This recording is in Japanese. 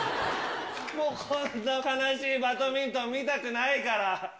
もうこんな悲しいバドミントン、見たくないから。